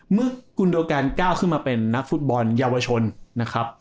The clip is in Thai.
เมื่อกูเนลแก้นก้าวขึ้นมาเป็นนักฟุตบอลเยาวชนนะครับ